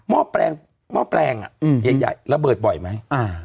มอบแปลงมอบแปลงอ่ะใหญ่ระเบิดบ่อยไหม